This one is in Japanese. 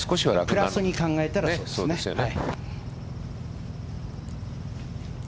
プラスに考えたらそうですね。